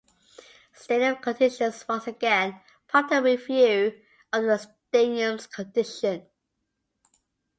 Stadium conditions once again prompted a review of the stadiums condition.